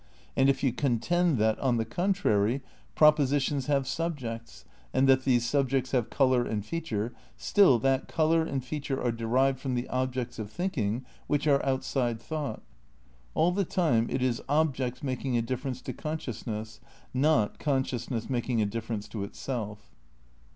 And if you contend that, on the contrary, II THE CRITICAL PREPARATIONS 33 propositions have subjects and that these subjects have colour and feature, still that colour and feature are derived from the objects of thinking which are outside thought. All the time it is objects making a difference to consciousness, not consciousness making a difference to itself.